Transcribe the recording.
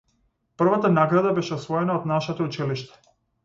Првата награда беше освоена од нашето училиште.